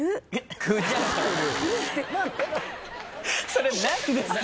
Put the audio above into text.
それ何ですか？